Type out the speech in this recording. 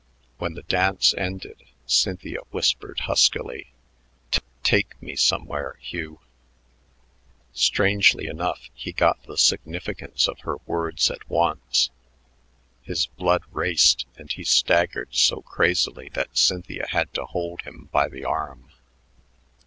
When the dance ended, Cynthia whispered huskily, "Ta take me somewhere, Hugh." Strangely enough, he got the significance of her words at once. His blood raced, and he staggered so crazily that Cynthia had to hold him by the arm.